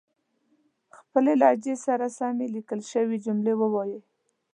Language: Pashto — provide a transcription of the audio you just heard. خپلې لهجې سره سمې ليکل شوې جملې وايئ